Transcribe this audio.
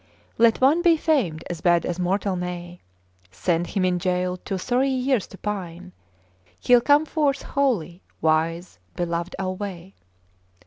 ' 'Let one be famed as bad as mortal may, Send him in jail two sorry years to pine, He'll come forth holy, wise, beloved alway.'